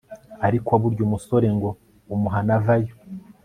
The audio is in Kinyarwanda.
ariko burya umusore ngo umuhana avayo